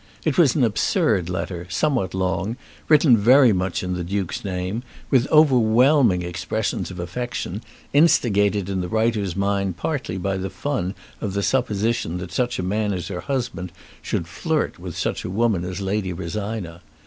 It was an absurd letter, somewhat long, written very much in the Duke's name, with overwhelming expressions of affection, instigated in the writer's mind partly by the fun of the supposition that such a man as her husband should flirt with such a woman as Lady Rosina.